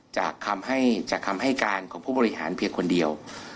จากคำให้การของผู้บริหารเพียงคนเดียว